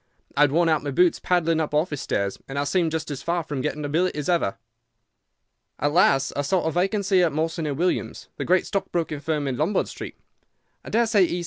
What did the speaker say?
I had worn out my boots paddling up office stairs, and I seemed just as far from getting a billet as ever. "At last I saw a vacancy at Mawson & Williams', the great stockbroking firm in Lombard Street. I daresay E.